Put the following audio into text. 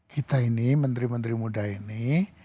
kita ini menteri menteri muda ini